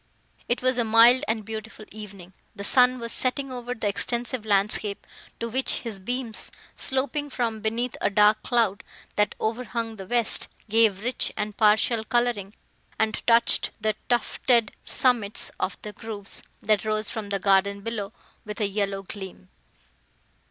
It was a mild, and beautiful evening. The sun was setting over the extensive landscape, to which his beams, sloping from beneath a dark cloud, that overhung the west, gave rich and partial colouring, and touched the tufted summits of the groves, that rose from the garden below, with a yellow gleam.